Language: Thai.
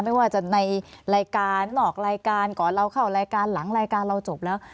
ไม่ว่าจะในรายการนอกรายการก่อนเราเข้ารายการหลังรายการเราจบแล้ว